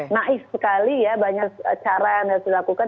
naif sekali ya banyak cara yang harus dilakukan